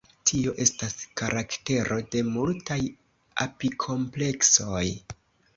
Tio estas karaktero de multaj apikompleksoj.